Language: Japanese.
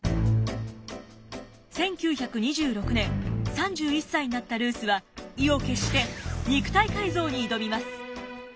１９２６年３１歳になったルースは意を決して肉体改造に挑みます。